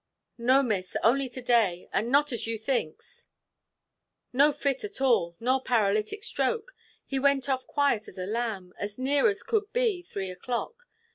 "No, Miss, only to day, and not as you thinks; no fit at all, nor paralyatic stroke. He went off quiet as a lamb, as near as could be three o'clock.